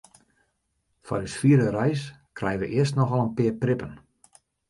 Foar ús fiere reis krije wy earst noch al in pear prippen.